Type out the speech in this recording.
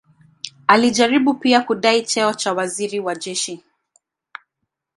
Alijaribu pia kudai cheo cha waziri wa jeshi.